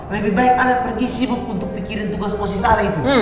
lebih baik anak pergi sibuk untuk pikirin tugas posisi salah itu